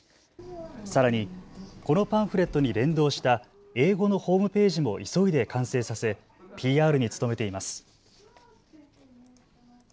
さらにこのパンフレットに連動した英語のホームページも急いで完成させＰＲに努めています。